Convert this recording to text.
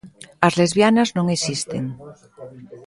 As lesbianas non existen.